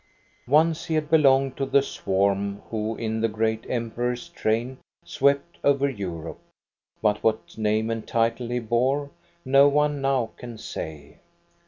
Once he had belonged to the swarm who in the great Emperor's train swept over Europe ; but what name and title he bore no one now can say.